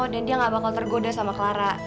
dan dia gak bakal tergoda sama clara